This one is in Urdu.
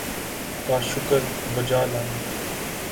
کا شکر بجا لانے